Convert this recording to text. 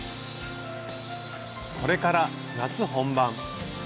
これから夏本番！